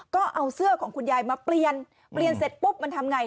ก็เอาเสื้อของคุณยายมาเปลี่ยนเปลี่ยนเสร็จปุ๊บมันทำไง